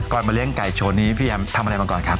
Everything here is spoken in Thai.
มาเลี้ยไก่ชนนี้พี่แอมทำอะไรมาก่อนครับ